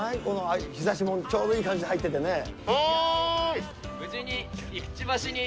この日ざしもちょうどいい感じで入っててね。